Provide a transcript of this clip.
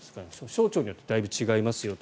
省庁によってだいぶ違いますよと。